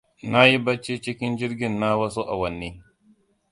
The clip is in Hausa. Na yi bacci cikin jirgin na wasu awanni.